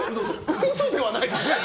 嘘ではないですよね。